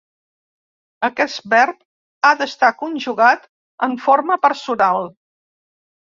Aquest verb ha d'estar conjugat en forma personal.